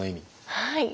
はい。